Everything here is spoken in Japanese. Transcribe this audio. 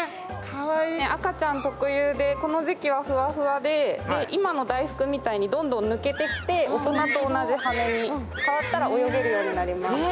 赤ちゃん特有でこの時期はふわふわで今のだいふくみたいに、どんどん抜けてきて大人と同じ羽に変わったら泳げるようになります。